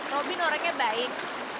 robin orangnya baik